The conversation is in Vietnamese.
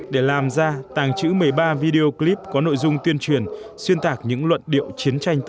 để làm ra tàng trữ một mươi ba video clip có nội dung tuyên truyền xuyên tạc những luận điệu chiến tranh